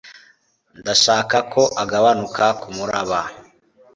Ndashaka ko agabanuka kumuraba